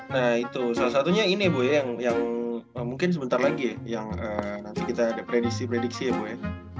nah itu salah satunya ini ya boy yang mungkin sebentar lagi ya yang nanti kita prediksi prediksi ya boy